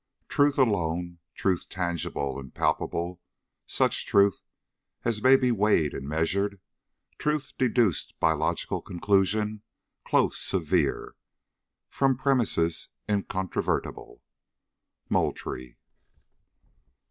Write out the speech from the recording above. Truth alone, Truth tangible and palpable; such truth As may be weighed and measured; truth deduced By logical conclusion close, severe From premises incontrovertible. MOULTRIE.